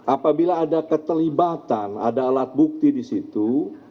apabila ada keterlibatan ada alat bukti di situ